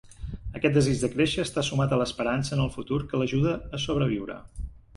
Aquest desig de créixer està sumat a l'esperança en el futur, que l'ajuda a sobreviure.